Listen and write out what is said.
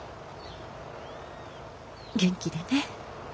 元気でね。